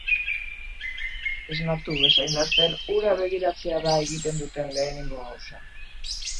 Esnatu bezain laster, hura begiratzea da egiten duten lehenengo gauza.